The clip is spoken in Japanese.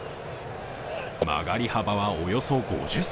曲がり幅は、およそ５０ｃｍ。